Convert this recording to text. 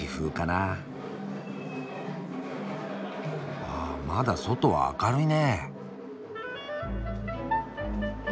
あっまだ外は明るいね。